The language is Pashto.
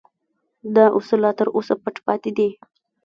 دا اصول لا تر اوسه پټ پاتې دي